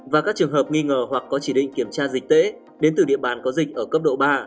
và các trường hợp nghi ngờ hoặc có chỉ định kiểm tra dịch tễ đến từ địa bàn có dịch ở cấp độ ba